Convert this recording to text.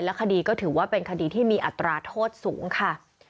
คดีก็ถือว่าเป็นคดีที่มีอัตราโทษสูงค่ะ